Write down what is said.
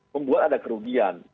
membuat ada kerugian